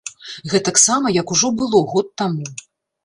Гэтаксама, як ужо было год таму.